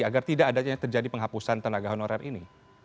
agar tidak adanya terjadi penghapusan tenaga honorer ini